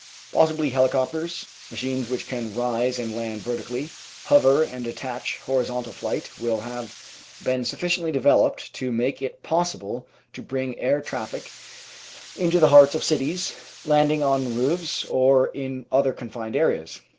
Possibly heli copters, machines which can rise and land vertically, hover and attain horizontal flight, will have been sufficiently developed to make it possible to bring air traffic into the hearts of cities, land ing on roofs or in other confined areas.